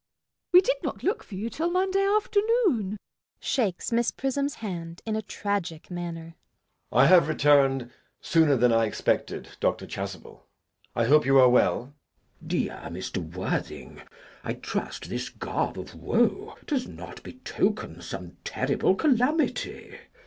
We did not look for you till Monday afternoon. JACK. [Shakes Miss Prism's hand in a tragic manner.] I have returned sooner than I expected. Dr. Chasuble, I hope you are well? CHASUBLE. Dear Mr. Worthing, I trust this garb of woe does not betoken some terrible calamity?